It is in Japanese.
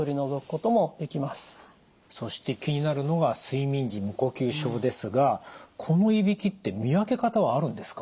そして気になるのが睡眠時無呼吸症ですがこのいびきって見分け方はあるんですか？